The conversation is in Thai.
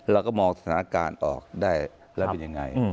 เราก็มองสถานการณ์ออกได้แล้วเป็นยังไง